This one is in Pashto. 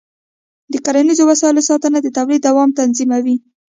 د کرنيزو وسایلو ساتنه د تولید دوام تضمینوي.